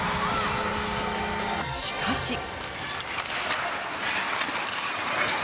しかし。